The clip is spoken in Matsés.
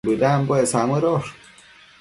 Bëdambuec samëdosh